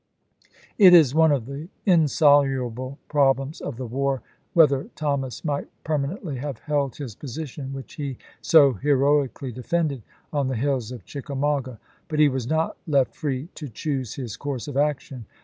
It is one of the insoluble problems of the war whether Thomas might permanently have held his position which he so heroically defended on the hills of Chickamauga. But he was not left free to choose his course of action.